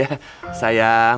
lu mau ke depan karin